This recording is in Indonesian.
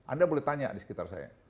anda boleh tanya di sekitar saya